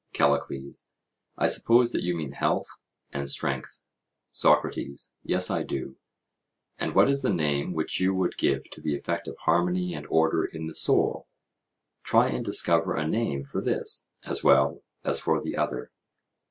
CALLICLES: I suppose that you mean health and strength? SOCRATES: Yes, I do; and what is the name which you would give to the effect of harmony and order in the soul? Try and discover a name for this as well as for the other.